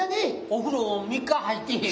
お風呂３日入ってへん。